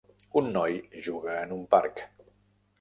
Un noi juga en un parc.